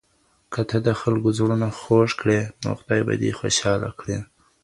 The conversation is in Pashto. که ته د خلکو زړونه خوږ کړې نو خدای به دې خوشاله کړي.